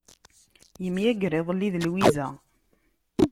Yemyager iḍelli d Lwiza.